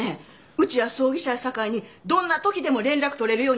うちは葬儀社やさかいにどんなときでも連絡取れるようにしてるんです。